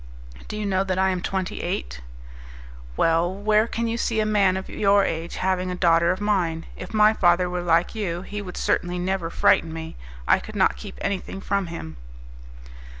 "Do you know that I am twenty eight?" "Well, where can you see a man of your age having a daughter of mine? If my father were like you, he would certainly never frighten me; I could not keep anything from him."